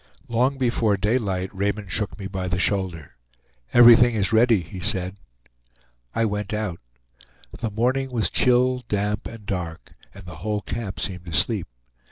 Long before daylight Raymond shook me by the shoulder. "Everything is ready," he said. I went out. The morning was chill, damp, and dark; and the whole camp seemed asleep.